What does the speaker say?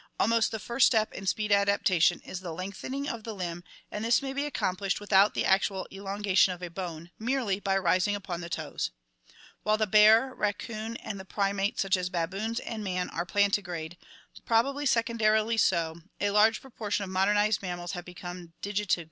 Almost the first step in speed adaptation is the lengthening of the limb and this may be accomplished without the actual elongation of a bone, merely by rising upon the toes. While the bear, raccoon, and the primates such as the baboons and man are plantigrade, probably secondarily so, a large proportion of modernized mammals have become digitigrade (Lat.